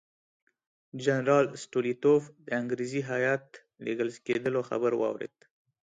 جنرال سټولیتوف د انګریزي هیات لېږل کېدلو خبر واورېد.